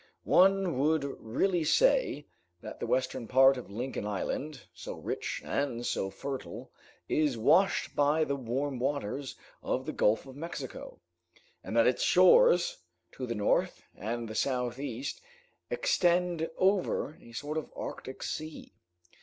One would really say, that the western part of Lincoln Island, so rich and so fertile, is washed by the warm waters of the Gulf of Mexico, and that its shores to the north and the southeast extend over a sort of Arctic sea."